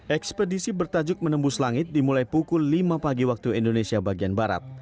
ekspedisi bertajuk menembus langit dimulai pukul lima pagi waktu indonesia bagian barat